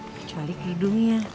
kecuali ke hidungnya